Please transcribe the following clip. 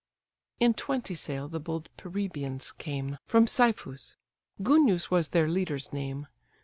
In twenty sail the bold Perrhæbians came From Cyphus, Guneus was their leader's name.